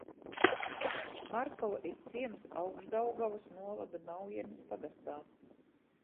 Markova ir ciems Augšdaugavas novada Naujenes pagastā.